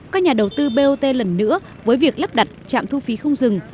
các nhà đầu tư bot lần nữa với việc lắp đặt trạm thu phí không dừng